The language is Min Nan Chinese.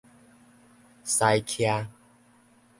私奇